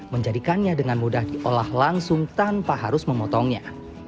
menjadikannya dengan mudah diolah langsung tanpa harus memotongnya